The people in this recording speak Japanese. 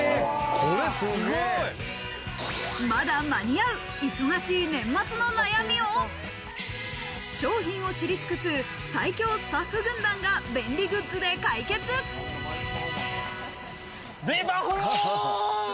まだ間に合う、忙しい年末の悩みを商品を知り尽くす最強スタッフ軍団がビバホーム！